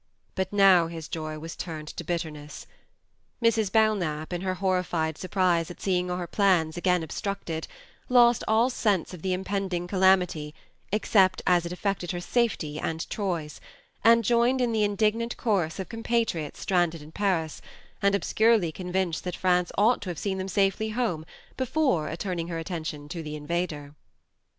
But now his joy was turned to bitterness. Mrs. 20 THE MARNE Belknap, in her horrified surprise at seeing her plans again obstructed, lost all sense of the impending calamity except as it affected her safety and Troy's, and joined in the indignant chorus of compatriots stranded in Paris, and obscurely convinced that France ought to have seen them safely home before turning her attention to the invader.